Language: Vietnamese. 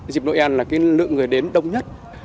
dịp noel là lượng người đến đông nhất